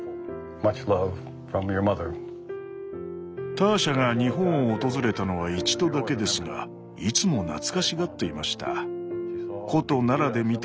ターシャが日本を訪れたのは一度だけですがいつも懐かしがっていました。